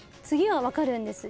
２４は分かるんです。